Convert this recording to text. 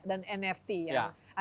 dan nft ya